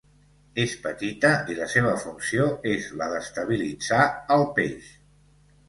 És petita i la seva funció és la d'estabilitzar al peix.